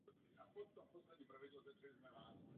Na druhé straně byla nucena zpívat za každých okolností.